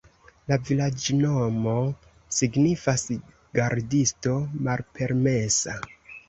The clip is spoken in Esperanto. La vilaĝnomo signifas: gardisto-malpermesa.